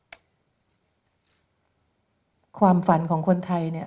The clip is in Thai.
แสดงความฝันของคนไทย